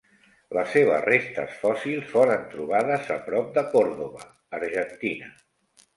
Les seves restes fòssils foren trobades a prop de Córdoba, Argentina.